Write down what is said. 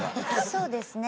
そうですね。